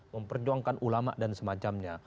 memperjuangkan ulama dan semacamnya